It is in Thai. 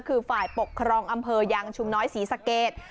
คือฝ่ายปกครองอำเภอยางชุมน้อยศรีสะเกด